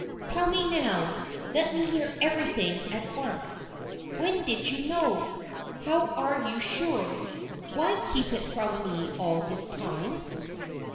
"Tell me now; let me hear everything at once. When did you know? How are you sure? Why keep it from me all this time?"